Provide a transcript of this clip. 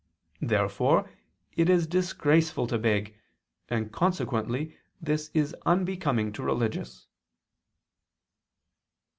Therefore it is disgraceful to beg: and consequently this is unbecoming to religious.